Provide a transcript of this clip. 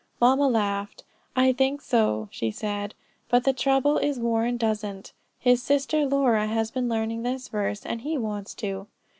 Mamma laughed. "I think so," she said. "But the trouble is Warren doesn't; his sister Laura has been learning this verse, and he wants to."